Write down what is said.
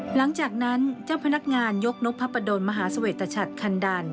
หลังจากนั้นเจ้าพนักงานยกนกพระประดนมหาเสวตชัดคันดัน